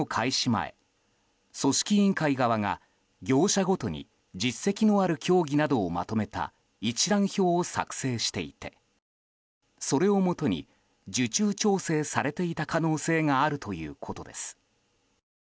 前組織委員会側が業者ごとに実績のある競技などをまとめた一覧表を作成していてそれをもとに受注調整されていた可能性があるということです。